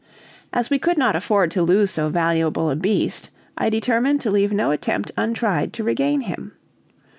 As we could not afford to lose so valuable a beast, I determined to leave no attempt untried to regain him.